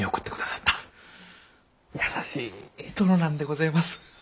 優しい殿なんでごぜます。